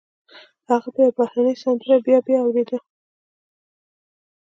هغه به يوه بهرنۍ سندره بيا بيا اورېده.